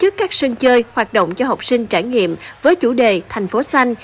tổ chức các sân chơi hoạt động cho học sinh trải nghiệm với chủ đề thành phố xanh